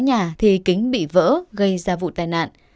nhà thì kính bị vỡ gây ra vụ tai nạn